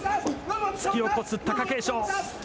突き落とす貴景勝。